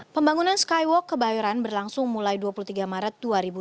pembangunan skywalk kebayoran berlangsung mulai dua puluh tiga maret dua ribu dua puluh